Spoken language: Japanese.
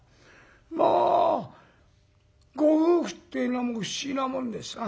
まあご夫婦っていうのは不思議なもんですな。